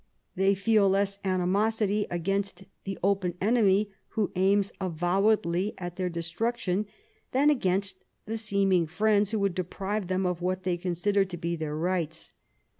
They feel less animosity against the open enemy who aims avowedly at their destruction, than against the seeming friends who would deprive them of what they consider to be their rights.